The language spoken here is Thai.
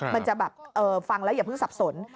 มันจะแบบฟังแล้วอย่าเพิ่งสับสน